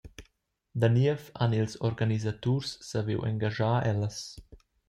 Da niev han ils organisaturs saviu engaschar ellas.